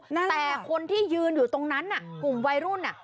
แต่คนที่ยืนอยู่ตรงนั้นกลุ่มวัยรุ่น